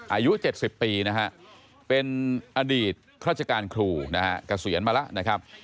อายุ๗๐ปีนะฮะเป็นอดีตราชการครูนะฮะเกษียณมาแล้วนะครับ